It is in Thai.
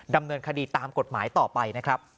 ดำเนินคดีตามกฎหมายต่อไปนะครับ